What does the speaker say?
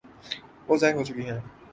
وہ ظاہر ہو چکی ہیں۔